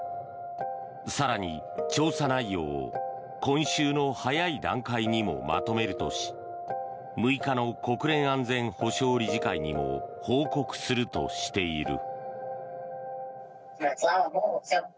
更に、調査内容を今週の早い段階にもまとめるとし６日の国連安全保障理事会にも報告するとしている。